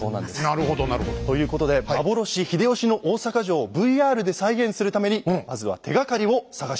なるほどなるほど。ということで幻・秀吉の大坂城をＶＲで再現するためにまずは手がかりを探しに行きました。